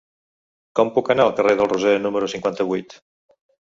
Com puc anar al carrer del Roser número cinquanta-vuit?